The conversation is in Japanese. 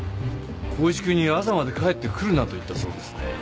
光一くんに朝まで帰ってくるなと言ったそうですね。